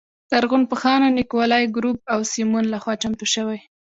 لرغونپوهانو نیکولای ګروب او سیمون لخوا چمتو شوې.